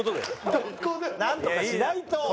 なんとかしないと。